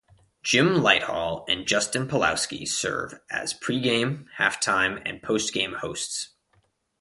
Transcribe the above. Jim Lighthall and Justin Pawlowski serve as pregame, halftime and postgame hosts.